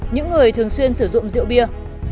những người thường xuyên sử dụng rượu bia